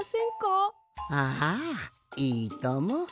ああいいとも。